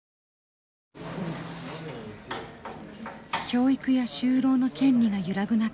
教育や就労の権利が揺らぐ中